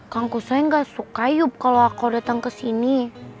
kang kusoy gak suka yub kalau aku datang ke sini